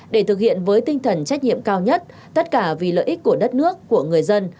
để thực hiện với tinh thần trách nhiệm cao nhất tất cả vì lợi ích của đất nước của người dân